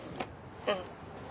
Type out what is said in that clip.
うん。